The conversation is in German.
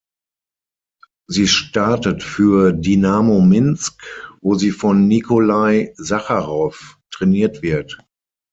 Sie startet für Dinamo Minsk, wo sie von Nikolai Sacharow trainiert wird.